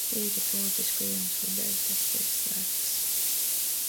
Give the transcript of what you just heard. Tīri politisku iemeslu dēļ tās tiek slēgtas.